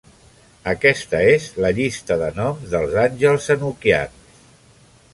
Aquesta és la llista de noms dels àngels enoquians.